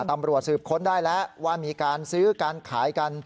ตำรวจสืบค้นได้แล้วว่ามีการซื้อการขายกัน